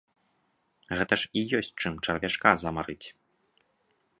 Гэта ж і ёсць чым чарвячка замарыць!